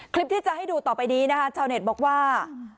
คลิปที่จะให้ดูต่อไปนี้นะคะชาวเน็ตบอกว่า